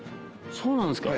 そうなんですか！？